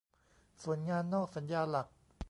ส่วนงานนอกสัญญาหลัก